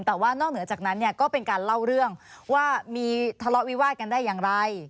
แต่ว่านอกเหนือจากนั้นเนี่ยก็เป็นการเล่าเรื่องว่ามีทะเลาะวิวาดกันได้อย่างไร